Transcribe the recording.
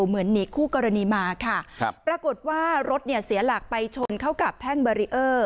เหมือนหนีคู่กรณีมาค่ะครับปรากฏว่ารถเนี่ยเสียหลักไปชนเข้ากับแท่งบารีเออร์